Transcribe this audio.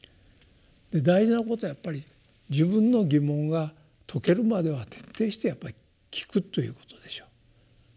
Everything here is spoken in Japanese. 大事なことはやっぱり自分の疑問が解けるまでは徹底してやっぱり聞くということでしょう。